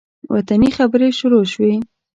وطني خبرې شروع شوې.